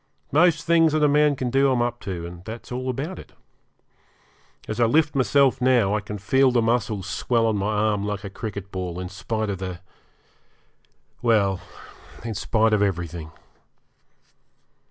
Most things that a man can do I'm up to, and that's all about it. As I lift myself now I can feel the muscle swell on my arm like a cricket ball, in spite of the well, in spite of everything.